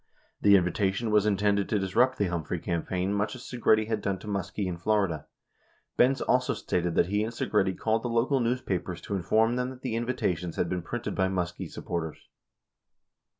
78 The invitation was intended to disrupt the Humphrey campaign much as Segretti had done to Muskie in Florida. Benz also stated that he and Segretti called the local news papers to inform them that the invitations had been printed by Muskie supporters.